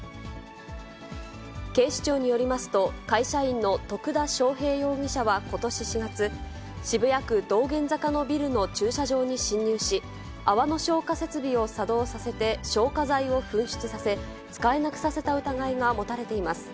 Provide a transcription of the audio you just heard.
警視庁によりますと、会社員の徳田翔平容疑者はことし４月、渋谷区道玄坂のビルの駐車場に侵入し、泡の消火設備を作動させて消火剤を噴出させ、使えなくさせた疑いが持たれています。